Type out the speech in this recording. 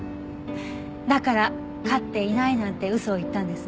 だから飼っていないなんて嘘を言ったんですね。